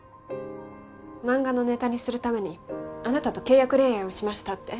漫画のネタにするためにあなたと契約恋愛をしましたって？